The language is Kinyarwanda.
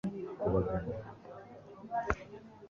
ngo badasongwa bashonje